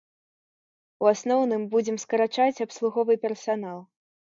У асноўным будзем скарачаць абслуговы персанал.